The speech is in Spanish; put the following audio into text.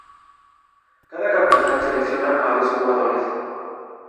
Cada capitán selecciona a dos jugadores.